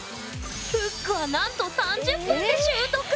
フックはなんと３０分で習得！